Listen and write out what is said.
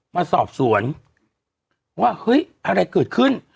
มาสอบสวนว่าเฮ้ยอะไรเกิดขึ้น